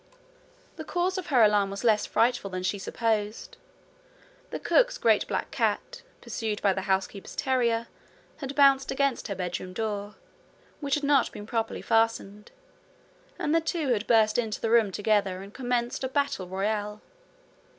The cause of her alarm was less frightful than she supposed. The cook's great black cat, pursued by the housekeeper's terrier, had bounced against her bedroom door, which had not been properly fastened, and the two had burst into the room together and commenced a battle royal.